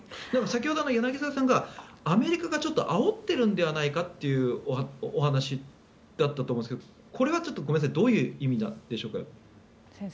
先ほど、柳澤さんがアメリカがあおっているんではないかというお話だったと思うんですがこれはどういう意味なんでしょうか？